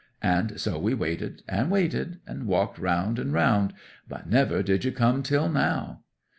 And so we waited and waited, and walked round and round; but never did you come till now!"